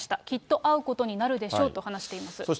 きっと会うことになるでしょうと話しています。